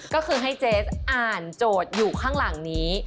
ก็คือให้เจสอ่านโจทย์อยู่ข้างหลังนี้